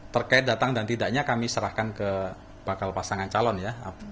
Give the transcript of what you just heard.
terkait datang dan tidaknya kami serahkan ke bakal pasangan calon ya